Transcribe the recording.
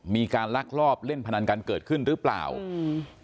มีการลักลอบเล่นพนันกันเกิดขึ้นหรือเปล่าอืม